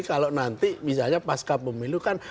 kalau nanti misalnya pasca pemilu kan